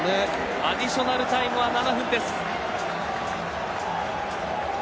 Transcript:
アディショナルタイムは７分です。